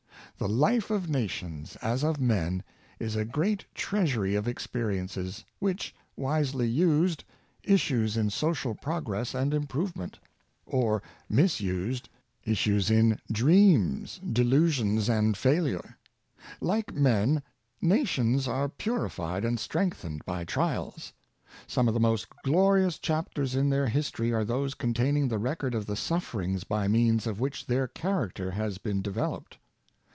The life of nations, as of men, is a great treasury of ex perience, which, wisely used, issues in social progress and improvement; or, misused, issues in dreams, delu sions, and failure. Like men, nations are purified and strengthened by trials. Some of the most glorious chapters in their history are those containing the record of the sufferings by means of which their character has been developed.